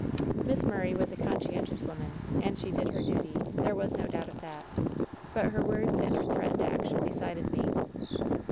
"Miss Murray was a conscientious woman, and she did her duty ; there was no doubt of that I but her words and her threatened action decided me.